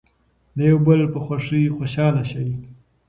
د یو بل په خوښۍ خوشحاله شئ.